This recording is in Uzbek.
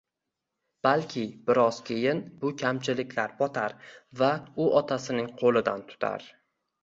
Balki bir oz keyin bu kamchiliklar botar vau otasining ko'lidan tutar...